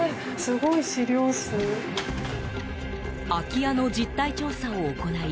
空き家の実態調査を行い